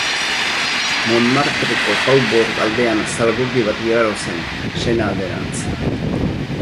Montmartreko faubourg aldean zalgurdi bat igaro zen, Sena alderantz.